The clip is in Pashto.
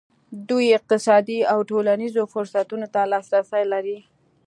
دوی اقتصادي او ټولنیزو فرصتونو ته لاسرسی لري.